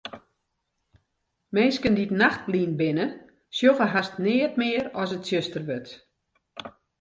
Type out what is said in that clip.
Minsken dy't nachtblyn binne, sjogge hast neat mear as it tsjuster wurdt.